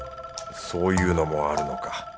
そういうのもあるのか。